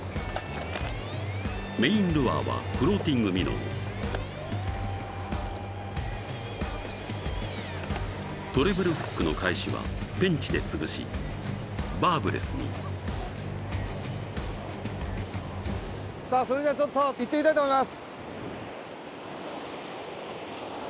メインルアーはフローティングミノートレブルフックの返しはペンチでつぶしバーブレスにさぁそれではちょっといってみたいと思います！